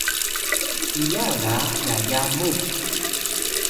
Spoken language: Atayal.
hiya ga yaya muw